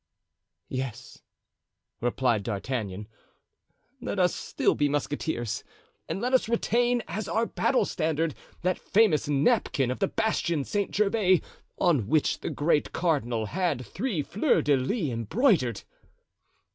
"Yes," replied D'Artagnan, "let us still be musketeers, and let us retain as our battle standard that famous napkin of the bastion St. Gervais, on which the great cardinal had three fleurs de lis embroidered."